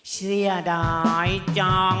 เสียดายจัง